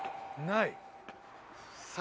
ない。